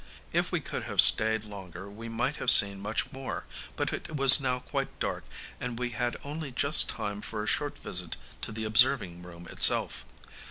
If we could have stayed longer we might have seen much more; but it was now quite dark, and we had only just time for a short visit to the observing room itself.